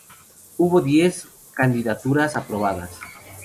Hubo diez candidaturas aprobadas.